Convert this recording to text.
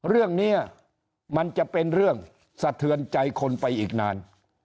เรื่องนี้มันจะเป็นเรื่องสะเทือนใจคนไปอีกนาน